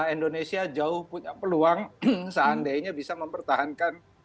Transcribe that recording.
indonesia jauh punya peluang seandainya bisa mempertahankan